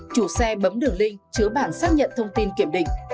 chủ xe bấm đường link chứa bản xác nhận thông tin kiểm định